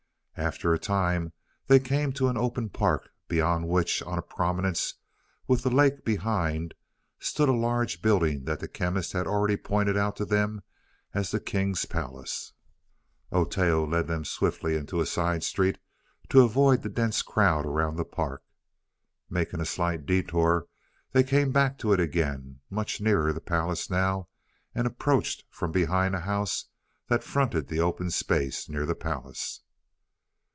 After a time they came to an open park, beyond which, on a prominence, with the lake behind, stood a large building that the Chemist had already pointed out to them as the king's palace. Oteo led them swiftly into a side street to avoid the dense crowd around the park. Making a slight detour they came back to it again much nearer the palace now and approached from behind a house that fronted the open space near the palace.